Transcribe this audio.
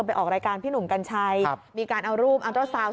ไปออกรายการพี่หนุ่มกัญชัยมีการเอารูปอันตราซาวน